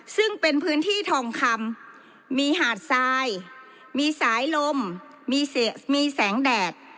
ซึ่งเป็นพื้นที่ทองคำมีหาดทรายมีสายลมมีแสงแดด